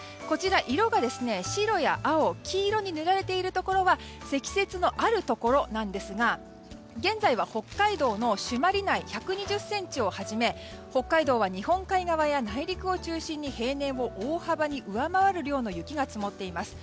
色が白や青、黄色に塗られているところは積雪のあるところなんですが現在は北海道の朱鞠内で１２０ｃｍをはじめ北海道は日本海側や内陸を中心に平年を大幅に上回る量の雪が積もっています。